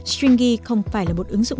stringy không phải là một ứng dụng